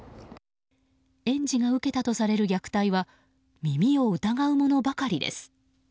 園児が受けたとされる虐待は耳を疑うものばかりです。